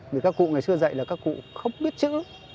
vì các cụ ngày xưa dạy là các cụ không biết chữ